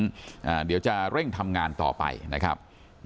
เดี๋ยวจะเร่งทำงานต่อไปนะครับ